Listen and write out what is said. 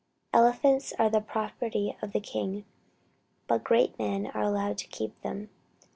Elephants are the property of the king, but great men are allowed to keep them.